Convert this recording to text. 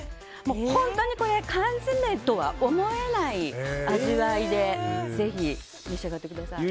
本当にこれは缶詰とは思えない味わいでぜひ召し上がってください。